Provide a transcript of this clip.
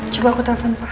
coba aku telfon pak